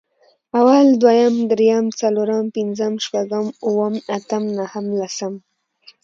اول، دويم، درېيم، څلورم، پنځم، شپږم، اووم، اتم، نهم، لسم